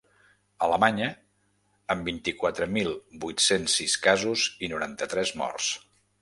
Alemanya, amb vint-i-quatre mil vuit-cents sis casos i noranta-tres morts.